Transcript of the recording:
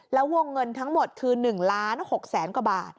แล้ววงเงินทั้งหมดคือ๑ล้าน๖แสนกว่าบาท